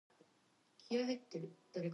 Their son, Isa Khan, was born in Sarail.